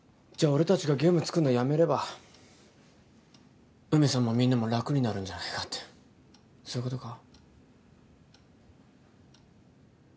俺達がゲーム作るのやめれば海さんもみんなも楽になるんじゃないかってそういうことか？